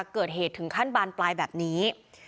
เกิดเหตุถึงขั้นบานปลายแบบนี้